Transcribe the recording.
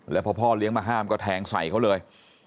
แล้วพอพ่อเลี้ยงมาห้ามก็แทงใส่เขาเลย